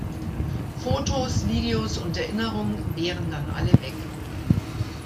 Fotos, Videos und Erinnerung wären dann alle weg.